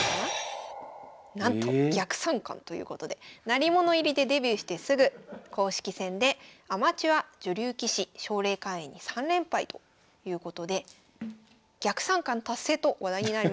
鳴り物入りでデビューしてすぐ公式戦でアマチュア女流棋士奨励会員に３連敗ということで逆三冠達成と話題になりました。